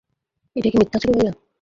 এটা কি মিথ্যা ছিল ভাইয়া?